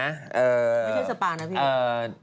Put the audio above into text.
ไม่ใช่สปางนะพี่